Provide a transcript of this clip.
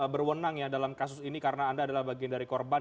berwenang ya dalam kasus ini karena anda adalah bagian dari korban